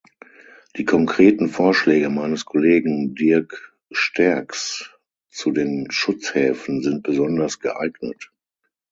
Die konkreten Vorschläge meines Kollegen Dirk Sterckx zu den Schutzhäfen sind besonders geeignet.